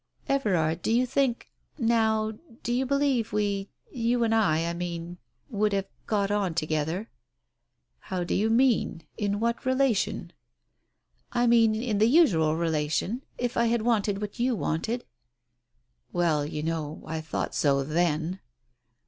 "Everard, do you think — now — do you believe we — you and I, I mean, would have got on together?" " How do you mean ? In what relation ?"" I mean — in the usual relation — if I had wanted what you wanted?" "Well, you know, I thought so, then."